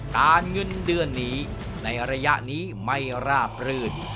การเงินเดือนนี้ในระยะนี้ไม่ราบรื่น